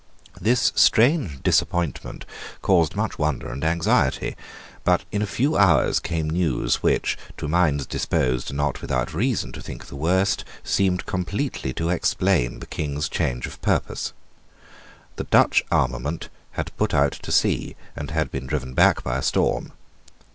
This strange disappointment caused much wonder and anxiety: but in a few hours came news which, to minds disposed, not without reason, to think the worst, seemed completely to explain the King's change of purpose. The Dutch armament had put out to sea, and had been driven back by a storm.